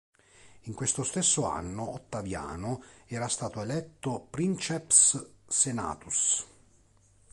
In questo stesso anno Ottaviano era stato eletto princeps senatus.